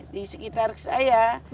di sekitar saya